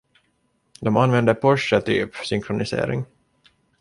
De använde Porsche-typ synkronisering.